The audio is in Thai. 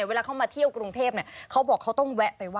เวลาเขามาเที่ยวกรุงเทพเขาบอกเขาต้องแวะไปว่า